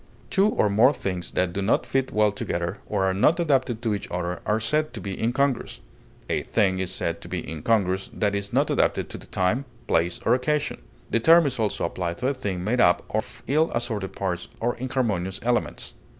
Two or more things that do not fit well together, or are not adapted to each other, are said to be incongruous; a thing is said to be incongruous that is not adapted to the time, place, or occasion; the term is also applied to a thing made up of ill assorted parts or inharmonious elements.